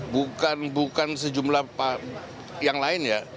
bukan bukan sejumlah yang lain ya